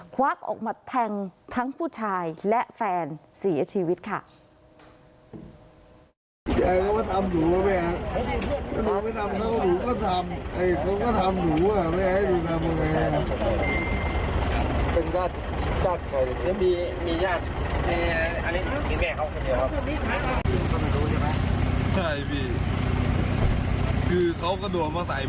ควักออกมาแทงทั้งผู้ชายและแฟนเสียชีวิตค่ะ